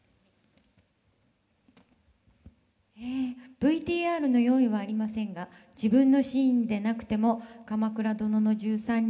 「ＶＴＲの用意はありませんが自分のシーンでなくても『鎌倉殿の１３人』といえばこれというシーンは」。